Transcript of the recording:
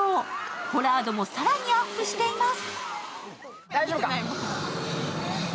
ホラー度も更にアップしています。